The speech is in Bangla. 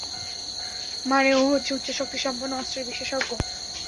মানে, ও হচ্ছে উচ্চশক্তিসম্পন্ন অস্ত্রের বিশেষজ্ঞ!